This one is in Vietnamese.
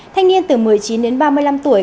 thanh niên từ một mươi chín đến ba mươi năm tuổi